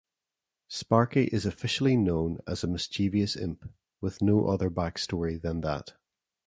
Sparky is officially known as a "mischievous imp", with no other backstory than that.